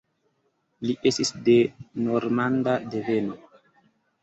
Li estis de normanda deveno.